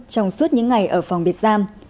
trong suốt những ngày ở phòng biệt giam